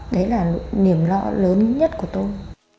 đấy là niềm lo lớn của tôi